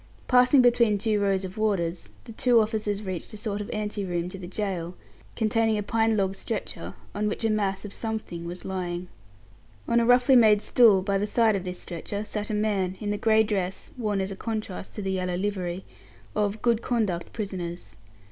Passing between two rows of warders, the two officers reached a sort of ante room to the gaol, containing a pine log stretcher, on which a mass of something was lying. On a roughly made stool, by the side of this stretcher, sat a man, in the grey dress (worn as a contrast to the yellow livery) of "good conduct" prisoners.